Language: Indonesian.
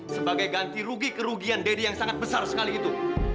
sebagai ganti rugi kerugian deddy yang sangat besar sekali itu